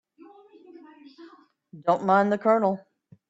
Don't mind the Colonel.